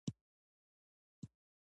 آب وهوا د افغانستان د بڼوالۍ برخه ده.